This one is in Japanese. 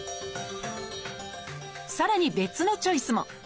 さらに別のチョイスも。